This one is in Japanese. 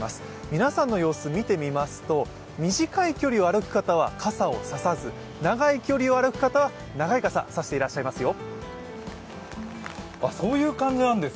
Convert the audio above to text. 皆さんの様子見てみますと、短い距離を歩く方は傘を差さず長い距離を歩く方は長いかさ、差してらっしゃいますよ。